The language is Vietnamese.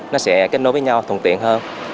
nó sẽ kết nối với nhau thuận tiện hơn